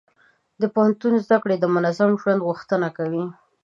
د پوهنتون زده کړه د منظم ژوند غوښتنه کوي.